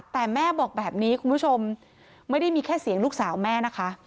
แต่แม่บอกแบบนี้คุณผู้ชมไม่ได้มีแค่เสียงลูกสาวแม่นะคะ